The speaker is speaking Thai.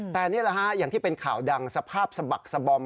แต่นี่แหละฮะอย่างที่เป็นข่าวดังสภาพสะบักสะบอม